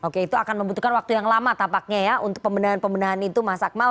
oke itu akan membutuhkan waktu yang lama tampaknya ya untuk pembenahan pembenahan itu mas akmal